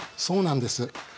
そうなんです。